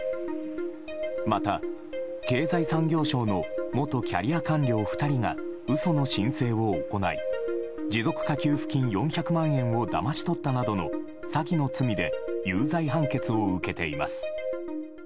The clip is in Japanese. また、経済産業省の元キャリア官僚２人が嘘の申請を行い持続化給付金４００万円をだまし取ったなどの詐欺の罪で有罪判決を受けています。